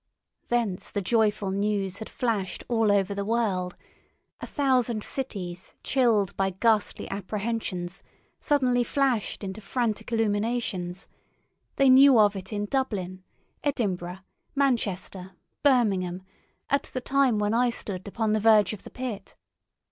Thence the joyful news had flashed all over the world; a thousand cities, chilled by ghastly apprehensions, suddenly flashed into frantic illuminations; they knew of it in Dublin, Edinburgh, Manchester, Birmingham, at the time when I stood upon the verge of the pit.